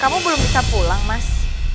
kamu belum bisa pulang mas